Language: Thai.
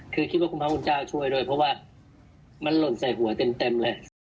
คือคิดว่าคุณพระพุทธเจ้าช่วยด้วยเพราะว่ามันหล่นใส่หัวเต็มเลย